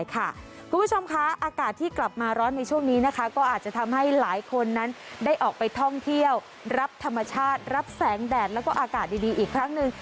คุณผู้ชมค่ะอากาศที่กลับมาร้อนในช่วงนี้นะคะก็อาจจะทำให้หลายคนนั้นได้ออกไปท่องเที่ยวรับธรรมชาติรับแสงแดดแล้วก็อากาศดีอีกครั้งหนึ่ง